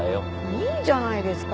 いいじゃないですか。